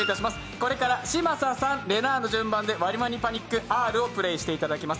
これから嶋佐さん、れなぁの順番で「ワニワニパニックＲ」をプレーしていただきます。